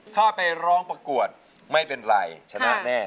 ถ้าไปร้องประกวดไม่เป็นไรชนะแน่